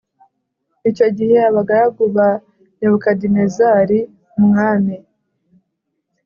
Icyo gihe abagaragu ba Nebukadinezari umwami